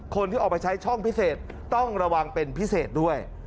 คนที่ออกไปใช้ช่องพิเศษต้องระวังเป็นพิเศษด้วย